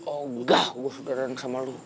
oh enggak gue saudara sama lo